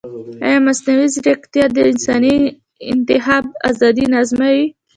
ایا مصنوعي ځیرکتیا د انساني انتخاب ازادي نه ازموي؟